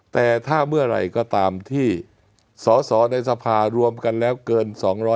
แต่ถ้าเมื่อไหร่ก็ตามที่สอสอในสภารวมกันแล้วเกิน๒๐๐